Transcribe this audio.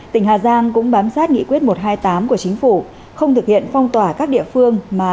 tỉnh hà giang cũng bám sát nghị quyết một trăm hai mươi tám của chính phủ không thực hiện phong tỏa các địa phương